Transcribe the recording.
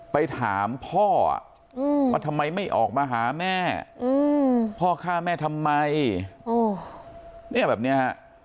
ไปถามพ่อว่าทำไมไม่ออกมาหาแม่พ่อฆ่าแม่ทำไม